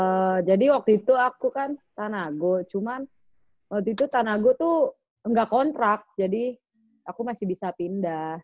eee jadi waktu itu aku kan tanago cuman waktu itu tanago tuh enggak kontrak jadi aku masih bisa pindah